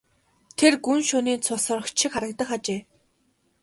Тэр гүн шөнийн цус сорогч шиг харагдах ажээ.